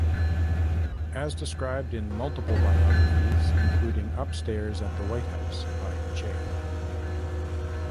As described in multiple biographies, including "Upstairs at the White House" by J.